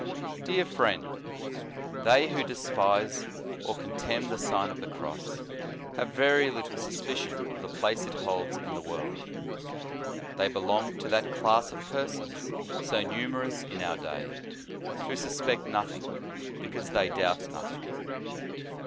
DEAR FRIEND: They who despise or contemn the Sign of the Cross have very little suspicion of the place it holds in the world. They belong to that class of persons so numerous in our day, who suspect nothing, because they doubt nothing.